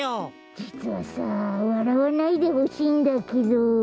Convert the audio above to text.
じつはさわらわないでほしいんだけど。